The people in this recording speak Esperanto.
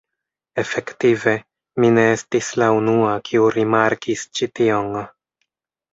Efektive, mi ne estis la unua, kiu rimarkis ĉi tion.